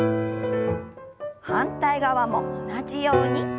反対側も同じように。